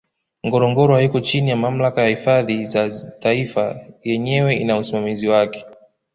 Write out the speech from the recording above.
ngorongoro haiko chini ya mamlaka ya hifadhi za taifa yenyewe ina usimamizi wake